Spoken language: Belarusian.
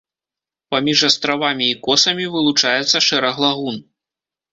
Паміж астравамі і косамі вылучаецца шэраг лагун.